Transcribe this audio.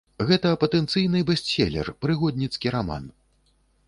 Гэта патэнцыйны бэстселер, прыгодніцкі раман.